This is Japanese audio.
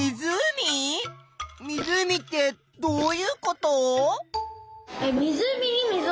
湖ってどういうこと？